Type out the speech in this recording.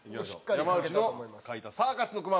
山内の描いたサーカスのくま